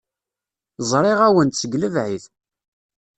Zṛiɣ-awen-d seg lebɛid.